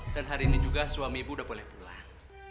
hari ini juga suami ibu udah boleh pulang